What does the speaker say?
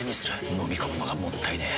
のみ込むのがもったいねえ。